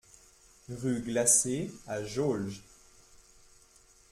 Rue Glacée à Jaulges